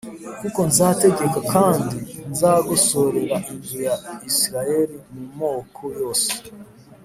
“Kuko nzategeka kandi nzagosorera inzu ya Isirayeli mu moko yose